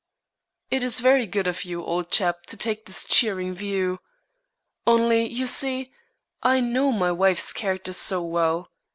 "It is very good of you, old chap, to take this cheering view. Only, you see, I know my wife's character so well.